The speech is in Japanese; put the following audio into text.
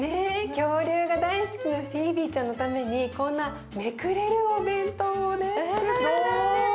恐竜が大好きなフィービーちゃんのためにこんなめくれるお弁当をねつくったんだって。